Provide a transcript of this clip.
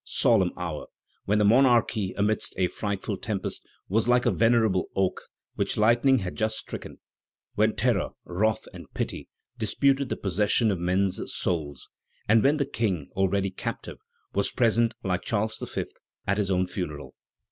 Solemn hour, when the monarchy, amidst a frightful tempest, was like a venerable oak which lightning has just stricken; when terror, wrath, and pity disputed the possession of men's souls, and when the King, already captive, was present like Charles V. at his own funeral.